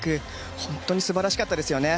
本当に素晴らしかったですよね。